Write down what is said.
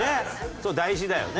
それ大事だよね。